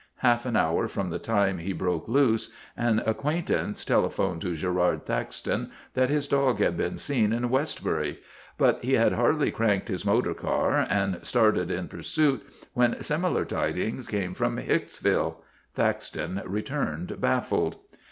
Half an hour from the time he broke loose, an ac quaintance telephoned to Girard Thaxton that his dog had been seen in Westbury, but he had hardly cranked his motor and started in pursuit when sim ilar tidings came from Hicksville. Thaxton re turned baffled.